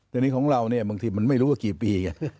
แต่นี่ของเราเนี่ยบางทีมันไม่รู้ว่ากี่ปีไง